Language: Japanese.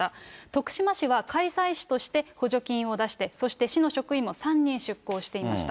徳島市は開催市として補助金を出して、そして市の職員も３人出向していました。